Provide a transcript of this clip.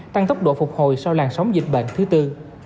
tăng tốc độ phục hồi sau làn sóng dịch bệnh thứ tư